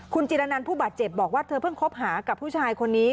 คุณจิรนันผู้บาดเจ็บบอกว่าเธอเพิ่งคบหากับผู้ชายคนนี้